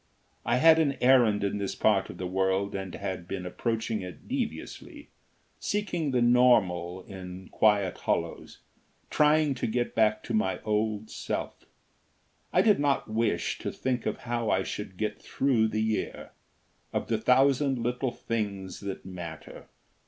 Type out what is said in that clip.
I had an errand in this part of the world and had been approaching it deviously, seeking the normal in its quiet hollows, trying to get back to my old self. I did not wish to think of how I should get through the year of the thousand little things that matter.